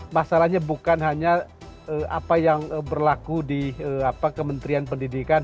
masalahnya bukan hanya apa yang berlaku di kementerian pendidikan